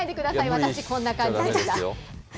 私、こんな感じでした。